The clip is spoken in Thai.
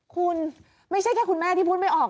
คุณไม่ใช่แค่คุณแม่ที่พูดไม่ออก